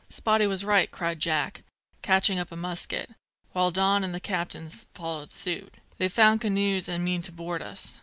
"Spottie was right," cried Jack, catching up a musket, while Don and the captain followed suit; "they've found canoes, and mean to board us."